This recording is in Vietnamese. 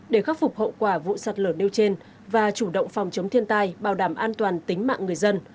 để khắc phục hậu quả vụ sạt lở nêu trên và chủ động phòng chống thiên tai bảo đảm an toàn tính mạng người dân